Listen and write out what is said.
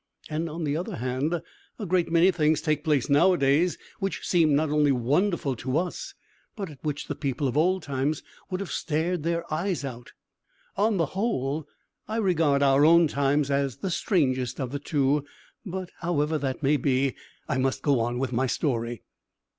And, on the other hand, a great many things take place nowadays, which seem not only wonderful to us, but at which the people of old times would have stared their eyes out. On the whole, I regard our own times as the strangest of the two; but, however that may be, I must go on with my story.